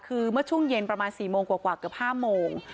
คือเมื่อช่วงเย็นประมาณสี่โมงกว่ากว่าเกือบห้าโมง